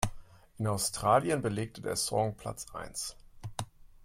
In Australien belegte der Song Platz eins.